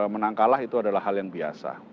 menang kalah itu adalah hal yang biasa